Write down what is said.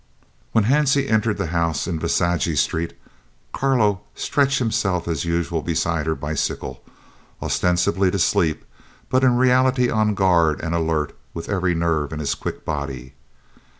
When Hansie entered the house in Visagie Street, Carlo stretched himself as usual beside her bicycle, ostensibly to sleep, but in reality on guard and alert with every nerve in his quick body.